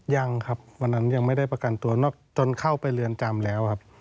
ยังครับวันนั้นยังไม่ได้ประกันตัวจนเข้าไปเรือนจำแล้วครับ